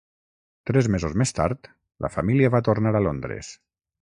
Tres mesos més tard, la família va tornar a Londres.